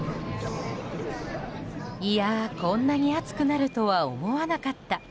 いやー、こんなに暑くなるとは思わなかった。